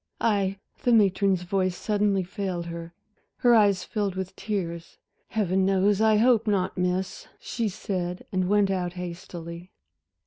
"I" The matron's voice suddenly failed her, her eyes filled with tears. "Heaven knows I hope not, Miss," she said and went out hastily.